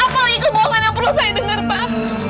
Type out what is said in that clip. apa lagi kebohongan yang perlu saya denger pak